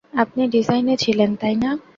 আপনি ডিজাইনে ছিলেন, তাই না?